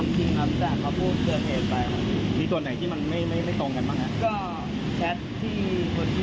เขาอมอวัยวะเพศเหรอ